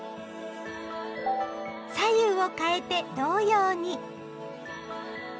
左右をかえて同様に！